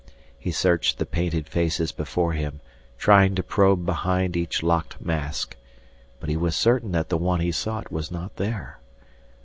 He searched the painted faces before him trying to probe behind each locked mask, but he was certain that the one he sought was not there.